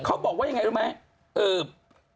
เขาบอกว่ายังไงรู้ไหม